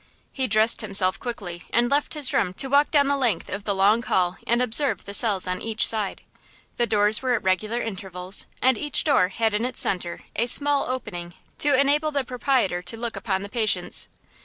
He dressed himself quickly and left his room to walk down the length of the long hall and observe the cells on each side. The doors were at regular intervals, and each door had in its center a small opening to enable the proprietor to look upon the patients.